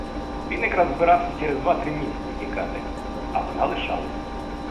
Він якраз зібрався через два-три місяці тікати, а вона лишалась.